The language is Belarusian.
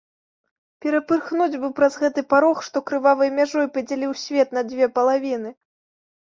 Перапырхнуць бы праз гэты парог, што крывавай мяжой падзяліў свет на дзве палавіны!